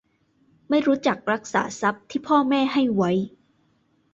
ไม่รู้จักรักษาทรัพย์ที่พ่อแม่ให้ไว้